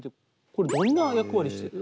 これどんな役割してる？